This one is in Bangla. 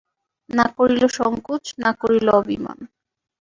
না করিল সংকোচ, না করিল অভিমান।